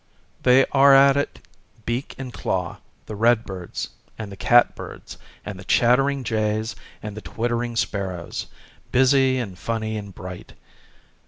They are at it beak and daw, — the red birds, and the cat birds, and the chattering jays, and the twittering sparrows, busy and funny and bright.